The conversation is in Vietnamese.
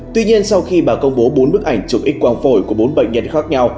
tuy nhiên sau khi bà công bố bốn bức ảnh chụp x quang phổi của bốn bệnh nhân khác nhau